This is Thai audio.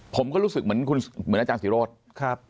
ผมก็รู้สึกเหมือนอาจารย์ศิโรธครับ